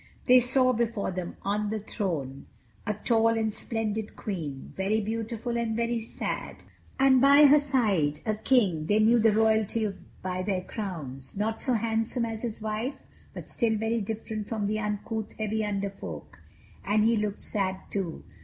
They saw before them, on a throne, a tall and splendid Queen, very beautiful and very sad, and by her side a King (they knew the royalty by their crowns), not so handsome as his wife, but still very different from the uncouth, heavy Under Folk. And he looked sad too.